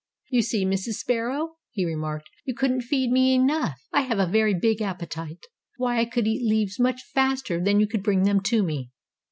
"You see, Mrs. Sparrow," he remarked, "you couldn't feed me enough. I have a very big appetite. Why, I could eat leaves much faster than you could bring them to me."